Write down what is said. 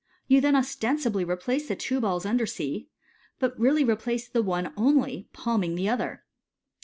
You then ostensibly replace the two balls under C, but really replace the one only, palm ing the other.